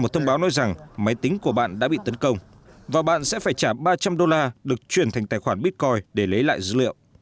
một thông báo nói rằng máy tính của bạn đã bị tấn công và bạn sẽ phải trả ba trăm linh đô la được chuyển thành tài khoản bitcoin để lấy lại dữ liệu